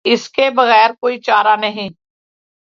اس کے بغیر کوئی چارہ نہیں۔